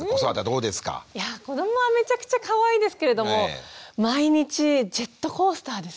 いや子どもはめちゃくちゃかわいいですけれども毎日ジェットコースターですね。